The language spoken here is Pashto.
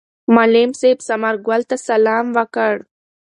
معلم صاحب ثمر ګل ته سلام وکړ.